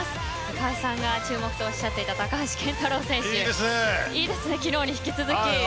川合さんが注目とおっしゃっていた高橋健太郎選手いいですね、昨日に引き続き。